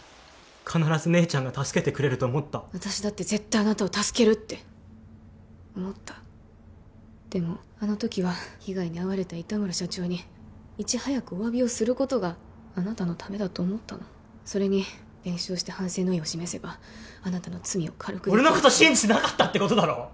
必ず姉ちゃんが助けてくれると思った私だって絶対あなたを助けるって思ったでもあの時は被害に遭われた糸村社長にいち早くお詫びをすることがあなたのためだと思ったのそれに弁償して反省の意を示せばあなたの罪を軽くできる俺のこと信じてなかったってことだろ？